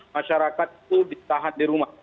masyarakat itu ditahan di rumah